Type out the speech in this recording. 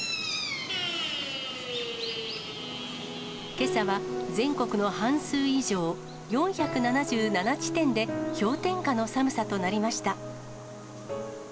けさは全国の半数以上、４７７地点で氷点下の寒さとなりました。